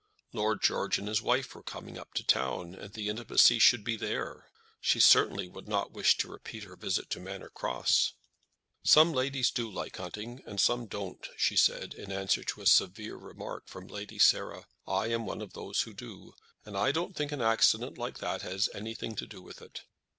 Lord George and his wife were coming up to town, and the intimacy should be there. She certainly would not wish to repeat her visit to Manor Cross. "Some ladies do like hunting, and some don't," she said, in answer to a severe remark from Lady Sarah. "I am one of those who do, and I don't think an accident like that has anything to do with it."